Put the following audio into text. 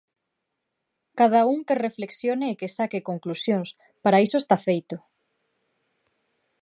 Cada un que reflexione e que saque conclusións, para iso está feito.